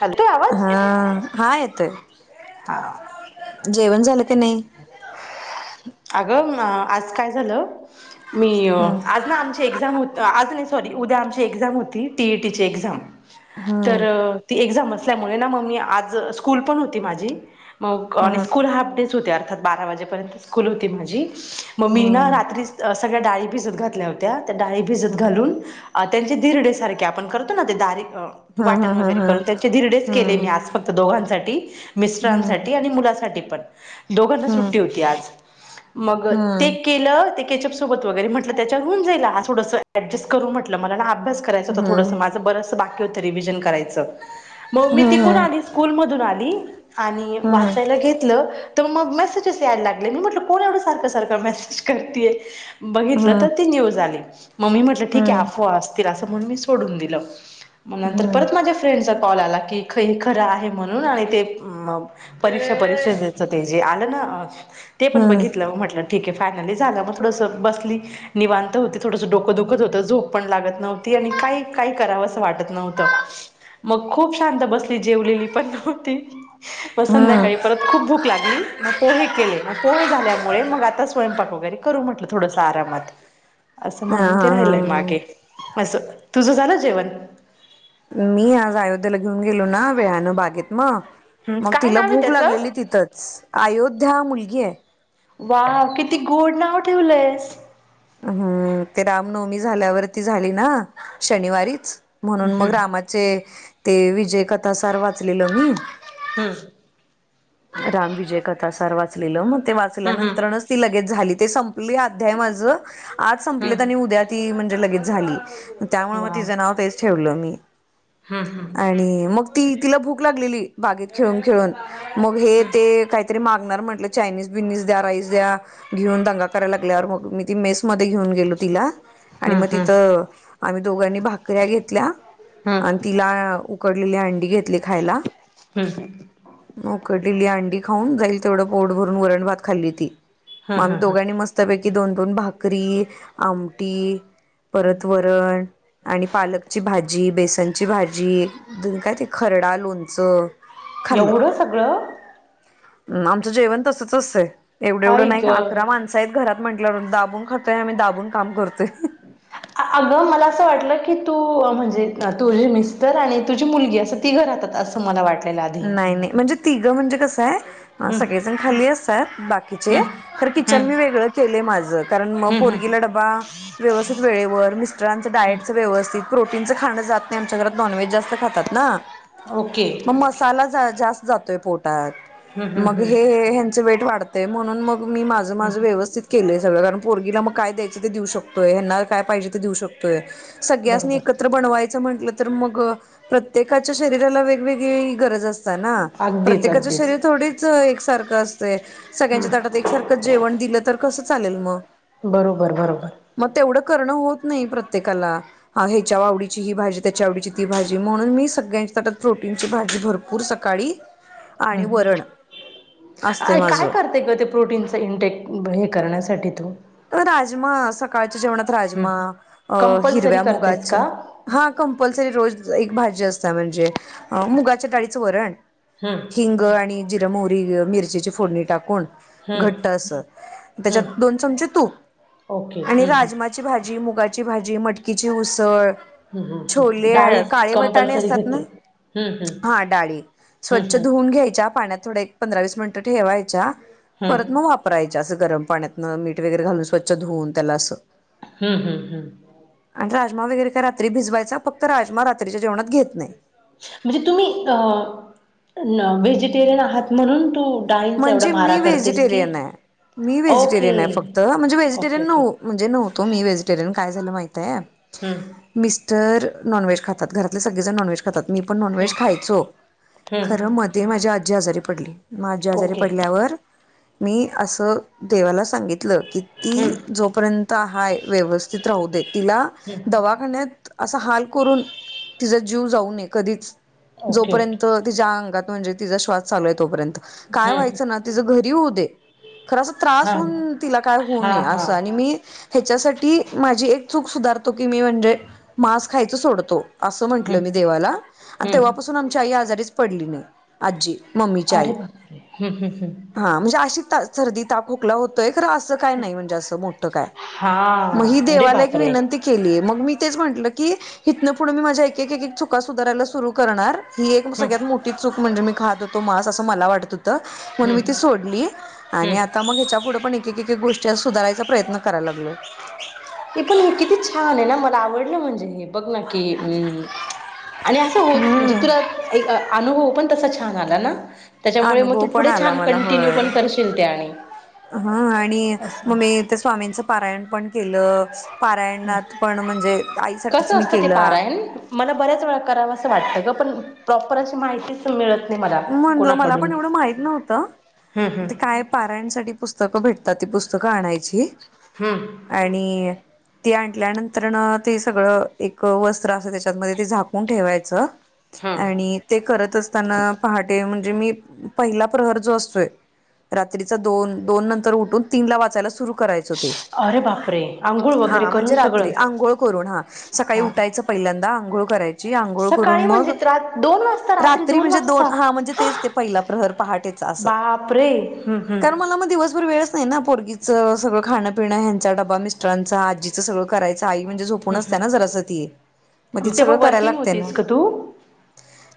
Hello येतोय आवाज हो हा हा येतयं जेवण झालं का नाही अगं आज काय झालं मी हम्म आज ना आमच्या एक्झाम होत आज नाही सॉरी उद्या आमची एक्झाम होती टीएटी ची एग्झाम तर हम्म एक्झाम असल्यामुळे ना मग मी आज स्कूल पण होती माझी मग आणि हम्म स्कूल हाफ डेच होते यार अर्थात बारा वाजेपर्यंत स्कूल होती माझी मग मी ना हम्म रात्री सगळ्या डाळी भिजत घातल्या होत्या डाळी भिजत घालून त्यांचे दिरडे सारखे आपण करतो ना ते डायरेक्ट हम्म वाटण हम्म वगैरे हम्म करून त्यांचे धिरडेच केले मी आज फक्त दोघांसाठी मिस्टरांसाठी हम्म आणि मुलासाठी पण दोघांना सुट्टी होती आज मग ते केलं ते कॅचप सोबत वगैरे म्हंटलं त्याच्यावर होउन जाईल आज थोडंसं अडजस्ट करू म्हंटलं माला ना आभ्यास करायचं हम्म हम्म होत थोडंसं हम्म माझं बरंचसं बाकी होत रिव्हिजन करायचं मग हम्म हम्म हम्म मी हम्म तिकून आली स्कूलमधून आली आणि वाचायला घेतलं तर मग मेसेजेस यायला लागले मी म्हटलं कोण एवढं सारखं सारखं मेसेज करतेय बघितलं तर ती न्यूज आली मम्मी म्हटलं ठीक आहे हम्म अफवा असतील असं म्हणून मी सोडून दिलं मग नंतर हम्म हम्म परत माझ्या फ्रेंडचा कॉल आला की ख खरं आहे म्हणून आणि ते म परीक्षा परिषदेत. आलं ना ते पण बघितलं म्हटलं ठीक आहे फायनली झालं मग थोडस बसली. निवांत होती थोडसं डोकं दुखत होतं झोप पण लागत नव्हती आणि काय काही करावं असं वाटत नव्हतं. [inaudible] मग खूप शांत बसली जेवलेली पण नव्हती मग हम्म संध्याकाळी परत खुप भूक लागली. मग पोहे केले, मग पोहे झाल्यामुळे मग आता स्वयंपाक वगैरे करू म्हटलं थोडस आरामात. असं हा म्हणून हा ते राहिलय मागें हा अस तुझं झालं जेवण? मी आज अयोध्येला घेऊन गेलो ना वेळानं बागेत मग हम्म मग काय तिला नाव आहे भूक त्याचं लागलेली तिथंच अयोध्या मुलगी आहे. वा किती गोड नाव ठेवलंयस. हम्म ते रामनवमी झाल्यावरती झाली ना शनिवारीच म्हणून मग हम्म रामा ते विजय कथा सार वाचलेल मी. हम्म. राम विजय कथा सार वाचलेलं मग ते हम्म हम्म वाचल्यानंतरच ती लगेच झाली, ते संपली अध्याय माझ आज संपलं आणि हम्म उद्या ती म्हणजे लगेच झाली त्यामुळे मग वाव तिचं नाव तेच ठेवलं मी हम्म आणि मग ती तिला भूक लागलेली बागेत खेळून खेळून मग हे ते हम्म काय तरी मागणार म्हटलं चायनीज बियनिज द्या राईस द्या घेऊन दंगा करायला लागल्यावर मग मी ती मेस मध्ये घेऊन गेलो तिला. आणि हम्म मग हम्म तिथं आम्ही दोघांनी भाकऱ्या घेतल्या आणि हम्म तिला उकडलेली अंडी घेतली खायला. हम्म ह. उकडलेली अंडी खाऊन जाईल तेवढं पोट भरून वरण भात खाल्ली ती. मग हम्म आम्ही हम्म दोघांनी मस्तपैकी दोन दोन भाकरी आमटी परत वर [unintelligible] आणि पालकची भाजी, बेसनची भाजी, द काय ते खरडा लोणचं. खाल्लं एवढं सगळं? आमचं जेवण तसच असंतय एवढं एवढं आई नाही का ग अकरा माण अस घरात म्हंटल्या दाबून खातोय आम्ही दाबून काम करतोय. अगं मला असं वाटलं की तू म्हणजे तुझी मिस्टर आणि तुझी मुलगी असं तीघ राहतात अस मला वाटलेल आधी. नाही नाही म्हणजे तिघं म्हणजे कसं आहे हम्म सगळे खाली असतात बाकीचे हम्म तर किचन हम्म मी वेगळं केलय माझ कारण मग हम्म हम्म पोरगीला डबा व्यवस्थित वेळेवर मिस्टरांचं हम्म डाएटचं व्यवस्थित प्रोटीनचं खाणं जात नाही आमच्या घरात नॉनव्हेज जास्त खातात ना. ओके. मग मसाला ज जास्त जातय हम्म पोटात मग हम्म हम्म हे ह्यांच वेट वाढ तय म्हणून मग मी माझं माझं हम्म व्यवस्थित केलंय सगळं कारण पोरगी ला मग काय द्यायच ते देऊ शकतय ह्यांना काय पाहिजे ते देऊ शकतो. तोय सगळ्यासनी एकत्र बरोबर बनवायचं म्हंटलं तर मग प्रत्येकाच्या शरीराला वेगवेग गरज असत ना अगदीच प्रत्येकाच अगदीच शरीर थोडीच एक सारखं असतय. सगळ्यांच्या हम्म ताटात एकसारखं जेवण दिलं तर कसं चालेल मग? बरोबर बरोबर मग तेवढं करणं होत नाही प्रत्येकाला. ह्याच्या आवडीची ही भाजी त्याच्या आवडीची ती भाजी म्हणून मी सगळ्यांच्या ताटात प्रो ची भाजी भरपूर सकाळी आणि हम्म वरण असतेय माझं. प्रोटीनचा इनटेक हे करण्यासाठी तो तर राजमा सकाळच्या जेवणात राजमा हम्म अ कंपल्सरी हिरव्या करतेस मुगाच का हा कंपल्सरी रोज एक भाजी असत म्हणजे मुगाच्या डाळीचं वरण हम हिंग आणि जिर मोरी मिरचीची फोडणी टाकून हम्म घट अस त्याच्यात हम्म दोन चमचे तूप ओके आणि हम्म राज हम्म आमाची भाजी मुगाची भाजी मटककीची उसळ हम्म हम्म छोले डाळी काळे वटाणे कंपल्सरी असतात ना घेते हम्म हम्म हा डाळी हं स्वच्छ हं धुवून घ्यायच्या पाण्यात थोडे पंधरा वीस मिनिटं ठेवायच्या हं परत मग वापरायच्या असं गरम पाण्यातन मीठ वगैरे घालून स्वच् धुऊन त्याला असं हम्म हम्म हम्म आणि राजमा वगैरे काय रात्री भिजवायचा फक्त राजमा रात्रीच्या जेवणात घेत नाही म्हणजे तुम्ही व्हेजिटेरियन आहात म्हणून त म्हणजे मी व्हेजिटेरियन आहे मी ओके व्हेजिटेरियन आहे फक्त म्हणजे ओके व्हेजिटेरियन ओके नव म्हणजे नवतो मी व्हेजिटेरियन काय झालं माहती आहे हम्म मिस्टर नॉनव्हेज खातरातले सगळे जण नॉनव्हेज मी पण हं नॉनवेज खायचो हं खर मध्ये माझी आजी आजारी पडली मग आजारीे ओके पडल्यावर मी असं देवाला सांगितलं की हं ती जोपर्यंत हाय व्यवस्थित राहू दे तिला हं दवा ण्यात असा हाल करून तिचा जीव जाऊ नये कधीच. ओके जोपर्यंत ओके तिच्या अंगात म्हणजे तिचा श्वास चालू आहे तोपर्यंत काय हं व्हायचं ना तिचं घरी होऊ दे खरं त्रास हां होऊन तिला काय होऊ नये हां हां असं आणि मी ह्याच्यासाठी माझी एक चूक सुधारतो की मी म्हणजे मांस खायच सोडतो असं म्हंटलं हं मी देवाला आणि हं तेव्हापासून आमची आई आजारीच पडली नाही आजी मम्मी अरे बारे ह ह् ह् हा म्हणजे अशी ता सर्दी ताक खोकला होतय खरं असं का म्हण का म हां दे अरे बापरे विनं केली मग मी तेच म्हटलं की हथनं पुढे मी माझ्या एक एक चुका सुधारायला सुरु करणार ही एक हं सगळ्यात मोठी चूक म्हणजे मी खात होतो मास असं मला वाटत म्हण हं मी ती सोडली आणि हं आता मग ह्याच्या पुढ पण एक एक गोष्टी सुधारायचा प्रयत्न कराय लागलो हे पण हे किती छान आहे ना मला आवडलं म्हणजे हे बघ ना की अम् आणि असं होत म्हणजे हम्म. तुला एक अनुभव पण तसा छान आला ना त्याच्यामुळे मग अनुभव तू पण पुढे आला छान मला कंटिन्यू होय पण करशील ते आणि हा आणि असं मग मी ते स्वामींचं पारायण पण केलं पारायणात पण म्हणजे आईसाठीठीच कसं मी असतं ते केलं पारायण मला बऱ्याच वेळा करावं असं वाटतं ग पण प्रॉपर अशी माहितीच मिळत नाही मला म्हणलं मला कोणाकडून पण एवढं माहत नव्हतं हम्म हम्म ते काय पाऱ्यांसाठी पुस्तकं भेटतात ती पुस्तकं आणायची हां आणि ती आणल्यानंतर न ते सगळं एक वस्त्र असं त्याच्यातमध्ये ते झाकून ठेवायचं हम्म आणि ते करत असताना पहाटे म्हणजे मी पहिला प्रहर जो असतोय रात्रीचा दोन दोन नंतर उठून तीनला वाचायला सुरू क अरे बापरे आंघोळ वगैरे हा करून म्हणजे सगळं रात्री आंघोळ करून हा सकाळी हा उाय पहिल्यांदा आंघोळ करायची आंघोळ करून सकाळी म्हणजे मग रात दोन वाजता रात्री म्हणजे दोन वाजता हा म्हणजे तेच पहिला प्रहर पहाटेचा अस बापरे हम्म हम्म मला मग दिवसभर वेळच नाही ना पोरगीचं सगळ खां पिं ह्यांचा डबा मिस्टरांचा आजी कराय आहे हम्म असत हम्म ना जरा मग तिथ तेव्हा सगळं करायला वर्किंग लागते होतीस ना का तू?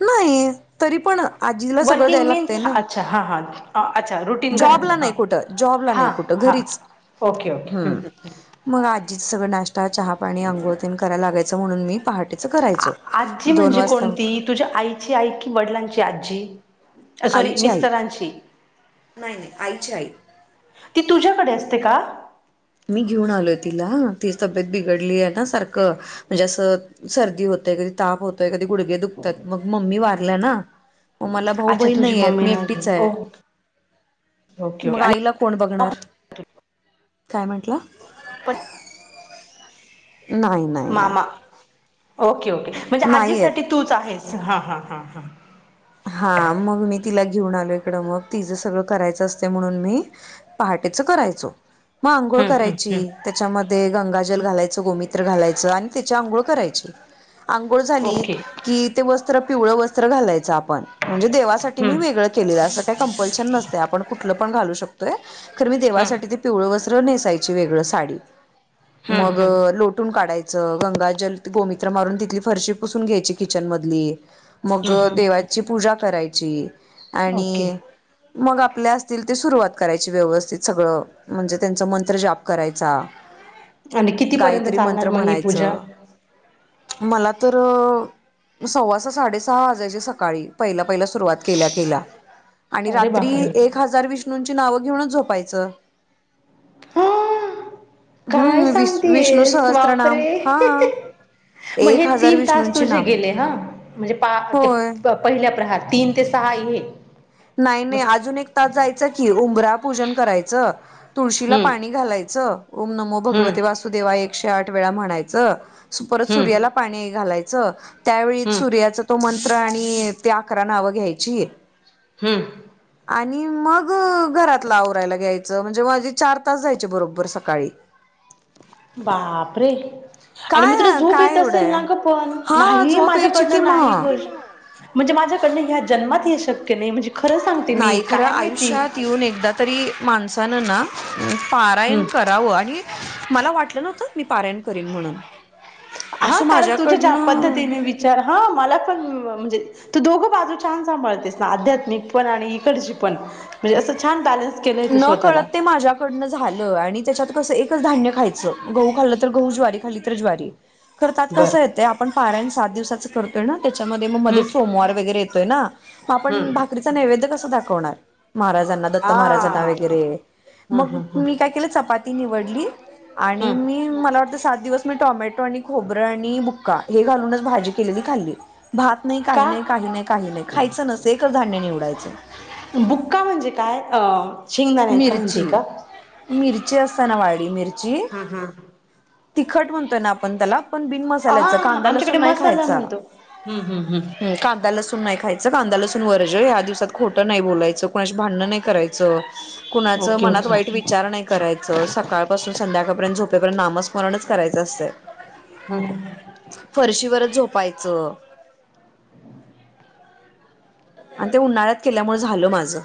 नाही. तरी पण, आजीला सगळं द्याय वर्किंग लागतंय मीन्स ना अच्छा हां हां अच्छा रुटीन जॉबला घरातलं नाही हां कुठं जॉबला नाही हां कुठं हां घरीच ओके ओके हम्म ह् मग आजीच सगळं नाश्ता चहापाणी अंघोळतीन करायला लागायचं म्हणून मी पहाटेचं आ करायचो आजी दोन म्हणजे वाजता कोणती उठून तुझ्या आईची आई की वडिलांची आजी सॉरी आईची आई मिस्तरांशी नाही नाही आईचे आहेई ती तुझ्याकडे असते का? मी घेऊन आलोय तिला, ती तब्येत बिघडली आहे ना. सारखं म्हणजे असं सर्दी होतय कधी ताप होतोय कधी गुडगे दुखतात मग मम्मी वारल्या ना मग मला भाऊ अच्छा बहीण तुझी नाही आहेत. मम्मी मी एकटीच नाहीये आहे. ओके ओके ओके मग आणि आईला कोण बघणार. काय म्हटलं. पट. नाही नाही. नाही मामा ओके ओके म्हणजे नाही आहेत आजीसाठी तूच आहेस हा हां हां हां. हा मग मी तिला घेऊन आलो. इकडं मग तिचं सगळं करायचं असते. म्हणून मी पहाटेच करायचो. मग आंघोळ हं हं करायची. हं त्याच्यामध्ये गंगाजल घालायचं. गोमित्र घालायचं. आणि त्याची आंघोळ करायचे. आंघोळ झाली ओके कि ते वस्त्र पिवळ वस्त्र घालायचं आपण. म्हणजे देवासाठी मी हं वेगळं केलेलं असं काही कंपल्शन नसते. आपण कुठलं पण घालू शकतो. मी हं देवासाठी ते पिवळ वस्त्र नेसायची वेगळ साडी. हं हं मग हं लोटून काढायचं. गंगाजल गोमित्र मारून तिथली फरशी पुसून घ्यायची किचन मधली. मग, हं हं. देवाची पूजा करायची. ओके आणि मग आपल्या असतील ते सुरुवात करायची व्यवस्थित सगळं. म्हणजे त्यांचा मंत्र जाप करायचा. आणि कितीपर्यंत गायत्री चालणार मंत्र मग ही पूजा म्हणायचं. मला तर सव्वा सहा साडेसहा वाजायची स. सकाळी पहिला पहिला सुरुवात केल्या केल्या आणि अरे रात्री बापरे एका आजार विष्णूंची नाव घेऊनच झोपायचं. हा काय हम्म विष सांगते विष्णू येस सहस्त्रनाम बापरे. हा मग हे एक हजार तीन तास विष्णूंची तुझे नाम गेले ह म्हणजे पा ते होय पहिल्या प्रहार तीन ते सहा हे नाही नाही मस् अजून एक तास जायचं कि उबरा पूजन करायचं. तुळशीला हम्म पाणी घालायचं ओम नमो हम्म भगवती वासुदेवा एकशे आठ वेळा म्हणायचं. परत हम्म सूर्याला पाणी घालायचं त्यावेळी हम्म सूर्याचं. तो मंत्र आणि त्या आकरा नावं घ्यायची. हम. आणि मग घरातला आवरायला घ्यायचं म्हणजे माझे चार तास जायचे बरोबर सकाळी. [inaudible] बापरे. आणि मग तुला काय झोप काय येत एवढं असेल आहे ना ग पण हा नाही झोप यायची कि माझ्याकडनं नाही मग गोष्ट म्हणजे माझ्याकडन ह्या जन्मात ये शक्य नाही म्हणजे. खरं सांगते मी नाही खरं काय माहिती आयुष्यात येऊन एकदा तरी माणसान ना पारायण हम्म कर मला वाटलं नवतं मी पारायण करीन म्हणून. हा असं कारण तुझ्या ज्या माझ्याकडनं पद्धतीने विचार हा मला पण म्हणजे. तू दोघं बाजू छान सांभाळतेस ना आध्यात्मिक पण आणि इकडची पण म्हणजे असं छान बॅलन्स. केलंय तू न कळत स्वतःला ते माझ्या. कडन झालं आणि त्याच्यात कसं एकच धान्य खायचं गहू खाल्लं तर गहू ज्वारी. खाल्ली तर ज्वारी खर त्यात कस बर येत आपण पा रायन सात दिवसा करतोय ना त्याच्या मध्ये मग हम्म सोमवार वगैरे येतोय ना म आपन हम्म भाकरी. कसा नैवेद्य कसा दाखवणार महाराजांना दत्त महाराजांना हा वैगरे व हम्म मग हम्म हम्म मी काय केले चपाती निवडली. हम्म मला वाटत सात दिवस मी टोमॅटो आणि खोबरं आणि भुक्का हे घालूनच भाजी केलेली खाल्ली. भात नाही काही का नाही काही नाही काही नाही खायचं नसे एक धान्य निवडायच. बुक्का म्हणजे काय. शेंगदाणे का म्हणते मिरची का मिरची असता ना वाडी मिरची. हा हा तिखट म्हणतोय ना आपण त्याला. बिन मल्याची हा कांदा आमच्याकडे लसुन नाही मसाला खायचा म्हणतो हम्म हम्म हम्म कांदा लसून नाही खायचा. कांदा लसून वर्ज या दिवसात खोटं नाही बोलायचं कोणाशी भांडणं नाही करायचं. कुणाच ओके मनात ओके वाईट विचार नाही करायचं सकाळपासून संध्याकाळपर्यंत झोपेपर्यंत नामस्मरणच करायचं असत हम फरशीवरच झोपायचं आणि ते उन्हाळ्यात केल्यामुळेळ झालं माझं